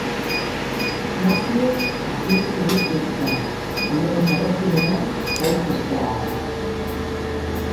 Naziek atxiloturik hil zen, haien erregimena gaitzesteagatik.